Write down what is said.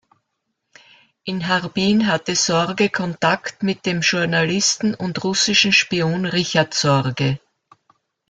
In Harbin hatte Sorge Kontakt mit dem Journalisten und russischen Spion Richard Sorge.